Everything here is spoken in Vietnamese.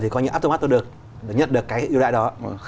thì coi như áp tôi mắt tôi được nhận được cái ưu đại đó